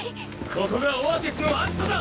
ここがオアシスのアジトだ！